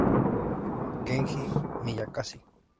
Kenji Miyazaki